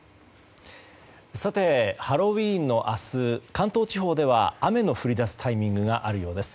ハロウィーンの明日関東地方では雨の降り出すタイミングがあるようです。